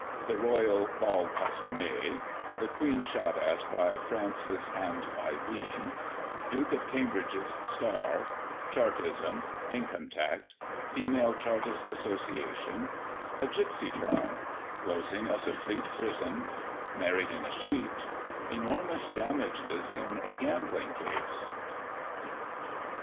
The Royal " Bal Costum<^ "—The Queen shot at by Francis and by Bean— Duke of Cambridge's star — Chartism — Income Tax^Female Chartist Association — A gipsey trial — Closing of the Fleet prison — Married in a sheet — Enormous damages in a gambling case.